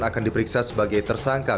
akan diperiksa sebagai tersangka